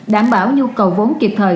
đảm bảo nhu cầu vốn kịp thời